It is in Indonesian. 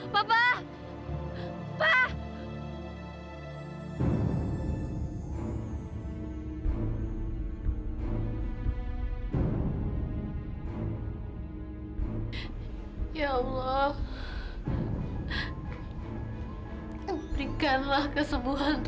papa lagi di dalam lagi di ruang tindakan